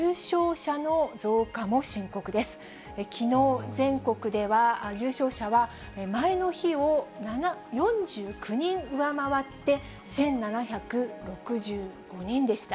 きのう、全国では、重症者は前の日を４９人上回って、１７６５人でした。